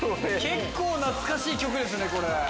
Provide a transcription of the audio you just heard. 結構懐かしい曲ですね。